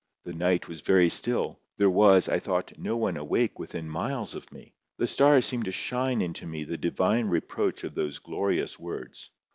The night was very still; there was, I thought, no one awake within miles of me. The stars seemed to shine into me the divine reproach of those glorious words.